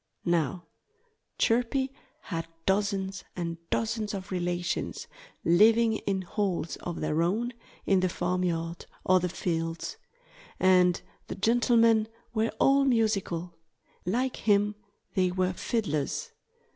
Now, Chirpy had dozens and dozens of relations living in holes of their own, in the farmyard or the fields. And the gentlemen were all musical. Like him, they were fiddlers.